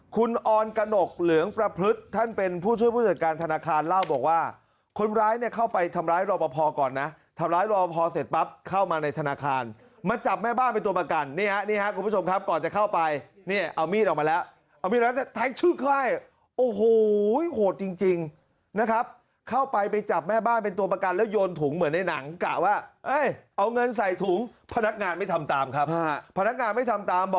คุณอ่อนกระหนกเหลืองประพฤษท่านเป็นผู้ช่วยผู้จัดการธนาคารเล่าบอกว่าคนร้ายเนี่ยเข้าไปทำร้ายรอบพอก่อนนะทำร้ายรอบพอเสร็จปั๊บเข้ามาในธนาคารมาจับแม่บ้านเป็นตัวประกันเนี่ยนะครับคุณผู้ชมครับก่อนจะเข้าไปเนี่ยเอามีดออกมาแล้วเอามีดออกมาแล้วท้ายชื่อคว่ายโอ้โหโหดจริงนะครับเข้าไปไปจับแม่บ้านเป็นต